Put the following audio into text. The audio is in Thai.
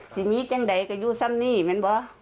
ซึ่งมีจังใดก็อยู่สามนี้เหมือนกัน